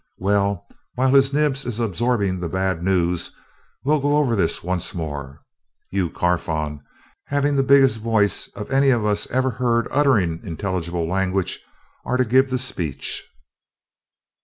Well, while His Nibs is absorbing the bad news, we'll go over this once more. You, Carfon, having the biggest voice of any of us ever heard uttering intelligible language, are to give the speech.